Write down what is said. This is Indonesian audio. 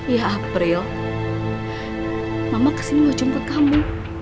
ya april mama kesini mau jemput kamu